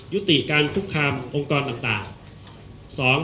ยุติการคุกคามองค์กรต่าง